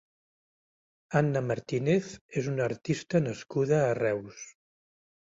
Anna Martínez és una artista nascuda a Reus.